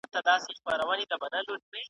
چي حملې نه له پردیو وي نه خپلو .